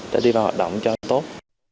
để đi vào hoạt động cho tốt